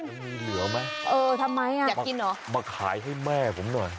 ยังมีเหลือมั้ยอยากกินหรอมาขายให้แม่ผมหน่อย